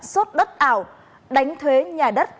xốt đất ảo đánh thuế nhà đất